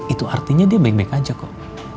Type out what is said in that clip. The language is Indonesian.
itu artinya dia baik baik aja kok